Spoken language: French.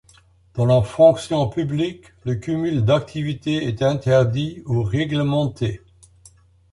Dans la fonction publique, le cumul d'activités est interdit ou réglementé.